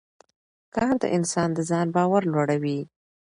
کار د انسان د ځان باور لوړوي